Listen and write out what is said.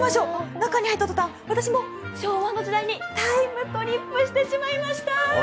中に入った途端、私も昭和の時代にタイムトリップしてしまいました。